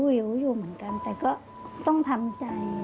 วิวอยู่เหมือนกันแต่ก็ต้องทำใจ